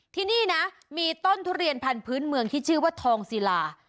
ที่นี่นะมีต้นทุเรียนพันธุ์เมืองที่ชื่อว่าทองศิลา